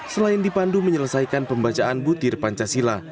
selain dipandu menyelesaikan pembacaan butir pancasila